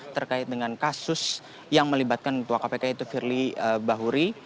terkait dengan kasus yang melibatkan ketua kpk itu firly bahuri